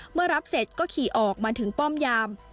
รับเสร็จก็ขี่ออกมาถึงป้อมยาม